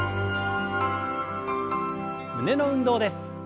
胸の運動です。